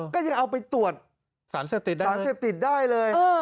ก็ยังเอาไปตรวจสารเสพติดได้เลย